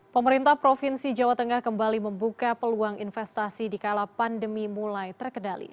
pemerintah provinsi jawa tengah kembali membuka peluang investasi di kala pandemi mulai terkendali